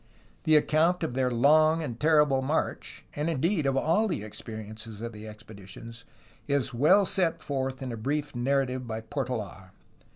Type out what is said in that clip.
The account of their long and terrible march (and indeed of all the experiences of the expeditions) is well set forth in a brief narrative by Portold.